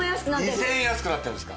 ２０００円安くなってるんですか。